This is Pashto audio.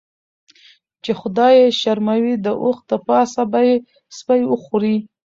چی خدای یی شرموي داوښ دپاسه به یی سپی وخوري .